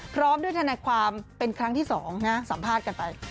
พร้อมด้วยทนายความเป็นครั้งที่๒นะสัมภาษณ์กันไป